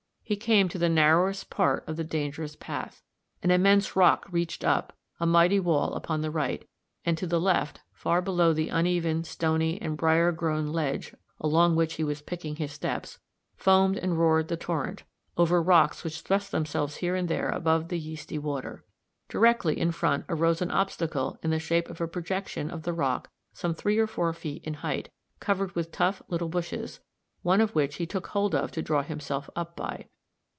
He came to the narrowest part of the dangerous path. An immense rock reached up, a mighty wall, upon the right, and to the left, far below the uneven, stony and brier grown ledge along which he was picking his steps, foamed and roared the torrent, over rocks which thrust themselves here and there above the yeasty water. Directly in front arose an obstacle in the shape of a projection of the rock some three or four feet in hight, covered with tough little bushes, one of which he took hold of to draw himself up by.